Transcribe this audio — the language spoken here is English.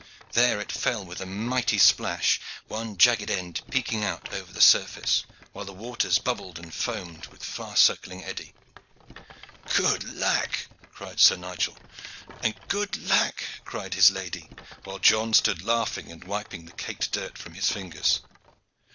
There it fell with mighty splash, one jagged end peaking out above the surface, while the waters bubbled and foamed with far circling eddy. "Good lack!" cried Sir Nigel, and "Good lack!" cried his lady, while John stood laughing and wiping the caked dirt from his fingers.